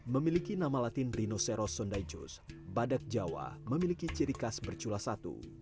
memiliki nama latin rinocero sondaijus badak jawa memiliki ciri khas bercula satu